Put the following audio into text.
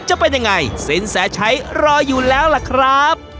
จะเป็นยังไงสินแสชัยรออยู่แล้วล่ะครับ